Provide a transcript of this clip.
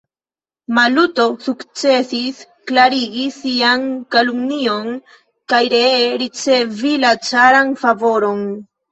Maluto sukcesis klarigi sian kalumnion kaj ree ricevi la caran favoron.